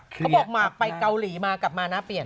เขาบอกหมากไปเกาหลีมากลับมานะเปลี่ยน